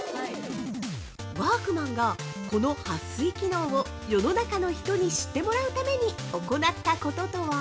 ワークマンがこのはっ水機能を世の中の人に知ってもらうために行ったこととは？